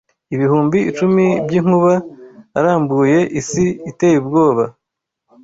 ibihumbi icumi by'inkuba arambuye isi iteye ubwoba